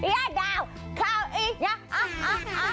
ย่าดาวเขาอี๋เนี่ยอ๊ะอ๊ะอ๊ะอ๊ะอ๊ะอ๊ะ